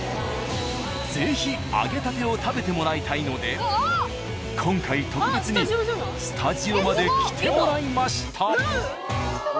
是非揚げたてを食べてもらいたいので今回特別にスタジオまで来てもらいました。